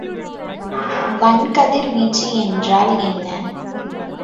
வன்கதிர்வீச்சு என்றால் என்ன?